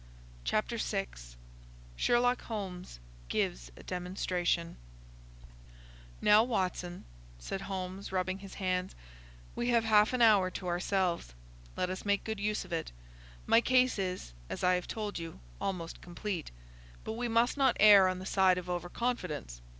Chapter VI Sherlock Holmes Gives a Demonstration "Now, Watson," said Holmes, rubbing his hands, "we have half an hour to ourselves. Let us make good use of it. My case is, as I have told you, almost complete; but we must not err on the side of over confidence.